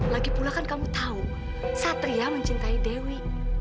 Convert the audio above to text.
lagi pula kan kamu tahu satria mencintai dewi